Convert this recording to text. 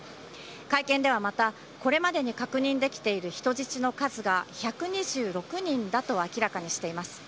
会見ではまた、これまでに確認できている人質の数が１２６人だと明らかにしています。